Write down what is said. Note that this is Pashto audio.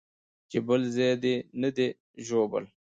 چې بل ځاى دې نه دى ژوبل.